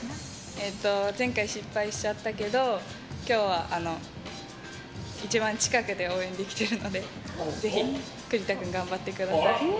前回、失敗しちゃったけど今日は一番近くで応援できているのでぜひ栗田君、頑張ってください。